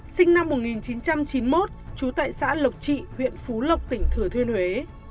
sinh năm một nghìn chín trăm chín mươi một trú tại xã lộc trị huyện phú lộc tỉnh thừa thiên huế